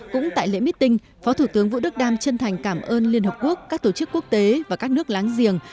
cũng tại lễ meeting phó thủ tướng vũ đức đam chân thành cảm ơn liên hợp quốc các tổ chức quốc tế và các nước láng giềng